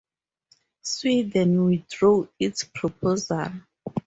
Sweden withdrew its proposal.